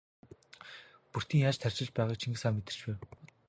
Бөртийн яаж тарчилж байгааг Чингис хаан мэдэрч байв.